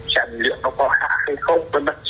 chẳng liệu nó có hạ hay không